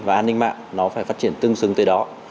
và an ninh mạng nó phải phát triển tương xứng tới đó